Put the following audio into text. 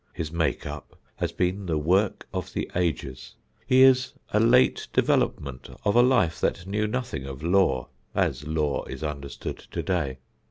His make up has been the work of the ages. He is a late development of a life that knew nothing of law, as law is understood today.